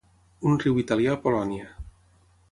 Un riu italià a Polònia.